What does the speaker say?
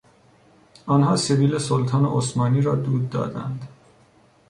آنها سبیل سلطان عثمانی را دود دادند.